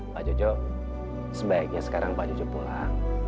pak jojo sebaiknya sekarang pak jojo pulang